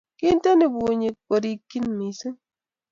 Kinteni bunyik korikchin mising